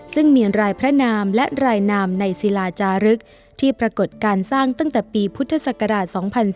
ซึ่งมีรายพระนามและรายนามในศิลาจารึกที่ปรากฏการสร้างตั้งแต่ปีพุทธศักราช๒๔